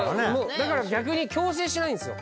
だから逆に強制しないんすよ。